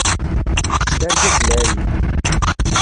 Kecc d argaz n lɛali.